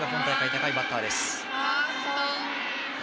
高いバッターです。